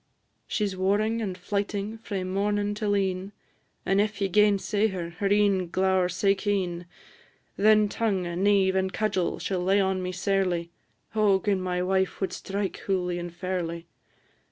She 's warring and flyting frae mornin' till e'en, And if ye gainsay her, her een glower sae keen; Then tongue, neive, and cudgel, she 'll lay on me sairly. O gin my wife wad strike hooly and fairly!